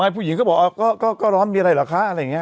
ผู้หญิงก็บอกก็ร้อนมีอะไรเหรอคะอะไรอย่างนี้